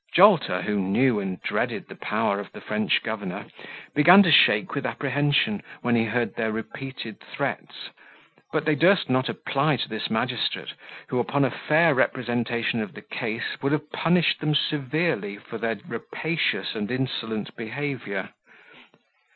Jolter, who knew and dreaded the power of the French governor, began to shake with apprehension, when he heard their repeated threats, but they durst not apply to this magistrate, who, upon a fair representation of the case, would have punished them severely for their rapacious and insolent behaviour.